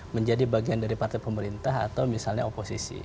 menjadi bagian dari partai pemerintah atau misalnya oposisi